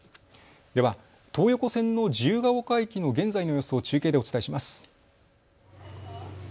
では東横線の自由が丘駅の現在の様子を中継でお伝えします。